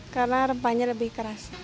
karena rempahnya lebih keras